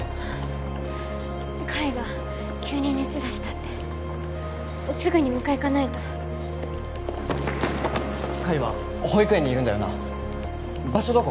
海が急に熱出したってすぐに迎えに行かないと海は保育園にいるんだよな場所どこ？